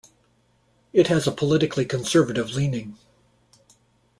It has a politically conservative leaning.